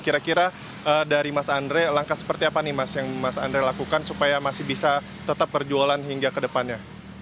kira kira dari mas andre langkah seperti apa nih mas yang mas andre lakukan supaya masih bisa tetap berjualan hingga kedepannya